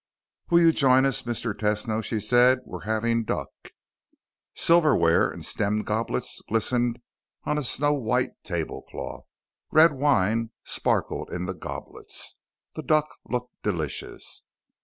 "Will you join us, Mr. Tesno?" she said. "We're having duck." Silverware and stemmed goblets glistened on a snow white tablecloth. Red wine sparkled in the goblets. The duck looked delicious.